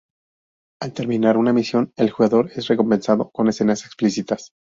Al terminar una misión el jugador es recompensado con escenas explícitas.